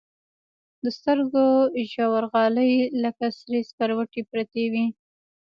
د سترګو ژورغالي لكه سرې سكروټې پرتې وي.